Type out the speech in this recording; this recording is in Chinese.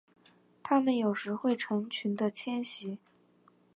它们有时会成群的迁徙。